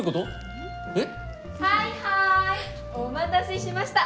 はいはーいお待たせしました！